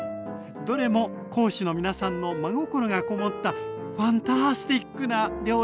どれも講師の皆さんの真心が籠もったファンタスティックな料理でした。